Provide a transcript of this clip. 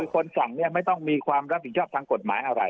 คนสั่งไม่ต้องมีความรับผิดชอบทางกฎหมายอะไร